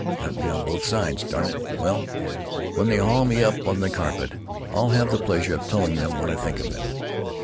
"Got me on both sides. Darn it! Well, when they haul me up on the carpet I'll have the pleasure of telling them what I think of them."